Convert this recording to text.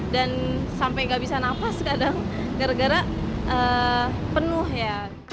dan sampai gak bisa nafas kadang gara gara penuh ya